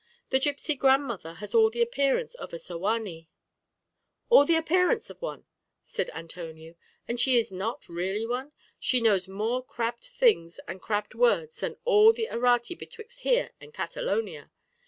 That gipsy grandmother has all the appearance of a sowanee." "All the appearance of one!" said Antonio; "and is she not really one? She knows more crabbed things and crabbed words than all the Errate betwixt here and Catalonia.